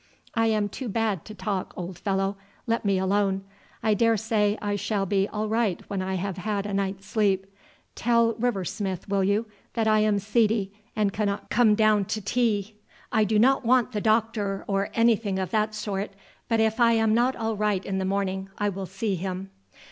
"I am too bad to talk, old fellow; let me alone. I daresay I shall be all right when I have had a night's sleep. Tell River Smith, will you, that I am seedy, and cannot come down to tea. I do not want the doctor or anything of that sort, but if I am not all right in the morning, I will see him."